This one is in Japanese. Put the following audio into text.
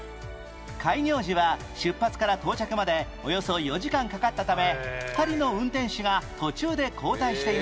開業時は出発から到着までおよそ４時間かかったため２人の運転士が途中で交代していました